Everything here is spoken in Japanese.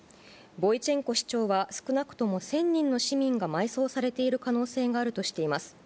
ボイチェンコ市長は少なくとも１０００人の市民が埋葬されている可能性があるとしています。